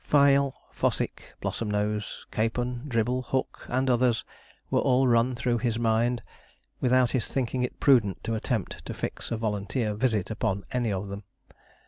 Fyle, Fossick, Blossomnose, Capon, Dribble, Hook, and others, were all run through his mind, without his thinking it prudent to attempt to fix a volunteer visit upon any of them.